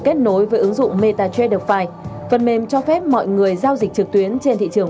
kết nối với ứng dụng metafy phần mềm cho phép mọi người giao dịch trực tuyến trên thị trường